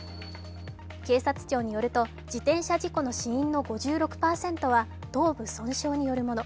警察庁によると自転車事故の死因の５６％は頭部損傷によるもの。